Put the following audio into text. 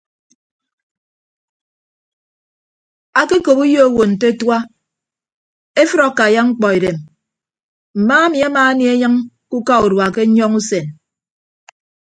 Ake okop uyo owo nte atua efʌd akaiya mkpọ edem mma ami ama anie enyịñ ke uka urua ke nyọñọ usen.